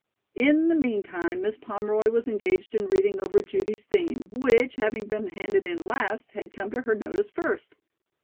In the meantime, Miss Pomeroy was engaged in reading over Judy's theme, which, having been handed in last, had come to her notice first.